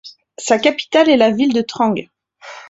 Sa capitale est la ville de Trang.